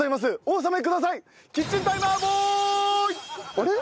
あれ？